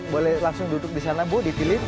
boleh langsung duduk di sana bu dipilih